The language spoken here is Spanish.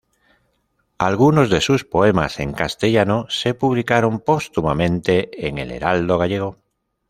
Algunos de sus poemas en castellano se publicaron póstumamente en "El Heraldo Gallego".